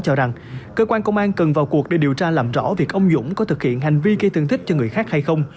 cho rằng cơ quan công an cần vào cuộc để điều tra làm rõ việc ông dũng có thực hiện hành vi gây thương tích cho người khác hay không